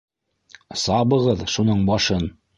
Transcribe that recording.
Сабығыҙ шуның башын!